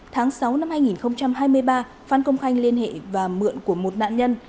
tháng sáu năm hai nghìn hai mươi ba phan công khanh liên hệ và mượn của một nạn nhân